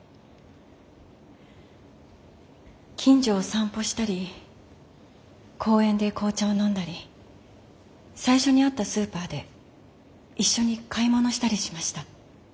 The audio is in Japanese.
近所を散歩したり公園で紅茶を飲んだり最初に会ったスーパーで一緒に買い物したりしました。